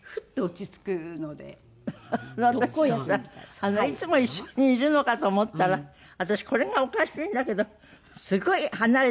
あなたたちはいつも一緒にいるのかと思ったら私これがおかしいんだけどすごい離れて暮らしてるのね。